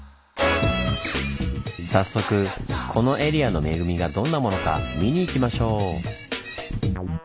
早速このエリアの恵みがどんなものか見に行きましょう！